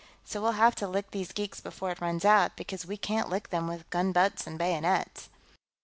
So we'll have to lick these geeks before it runs out, because we can't lick them with gunbutts and bayonets."